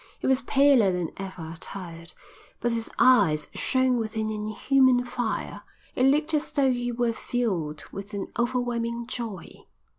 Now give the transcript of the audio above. He was paler than ever, tired, but his eyes shone with an inhuman fire. It looked as though he were filled with an overwhelming joy.